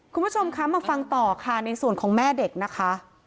คุณผู้ชมคะมาฟังต่อค่ะในส่วนของแม่เด็กนะคะ